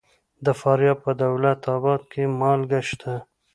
د فاریاب په دولت اباد کې مالګه شته.